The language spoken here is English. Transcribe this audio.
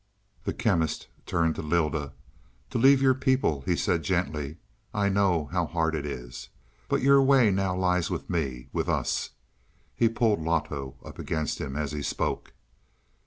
The Chemist turned to Lylda. "To leave your people," he said gently, "I know how hard it is. But your way now lies with me with us." He pulled Loto up against him as he spoke.